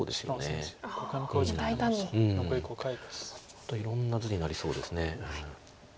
またいろんな図になりそうです。